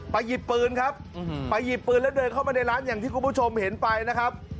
หยิบปืนครับไปหยิบปืนแล้วเดินเข้ามาในร้านอย่างที่คุณผู้ชมเห็นไปนะครับ